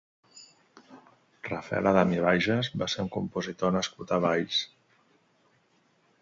Rafael Adam i Baiges va ser un compositor nascut a Valls.